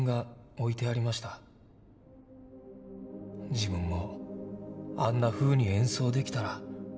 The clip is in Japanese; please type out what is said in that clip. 「自分もあんなふうに演奏できたら」